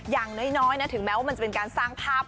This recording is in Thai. อย่างน้อยถึงแม้ว่ามันจะเป็นการสร้างภาพ